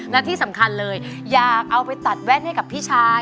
และที่สำคัญเลยอยากเอาไปตัดแว่นให้กับพี่ชาย